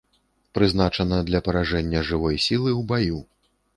Прызначана для паражэння жывой сілы ў баю.